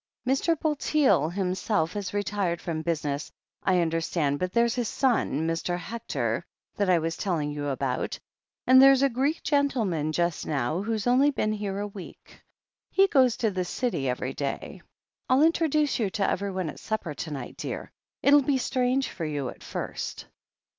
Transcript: Mr. Bulteel himself has retired from business, I understand, but there's his son, Mr. Hector, that I was telling you about, and there's a I04 THE HEEL OF ACHILLES Greek gentleman just now, who's only been here a week. He goes to the City every day. I'll introduce you to everyone at supper to night, dear. It'll be strange for you at first."